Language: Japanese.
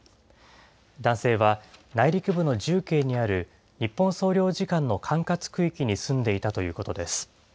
男性は内陸部の重慶にある日本総領事館の管轄区域内に住んでいたということです。